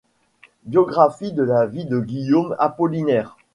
Biographie de la vie de Guillaume Apollinaire.